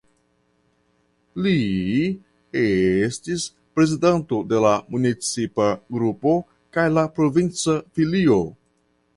Li estis prezidanto de la municipa grupo kaj la provinca filio.